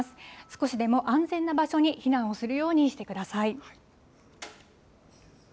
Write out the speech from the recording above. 少しでも安全な場所に避難をするようにしてください。